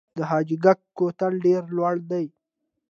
د حاجي ګک کوتل ډیر لوړ دی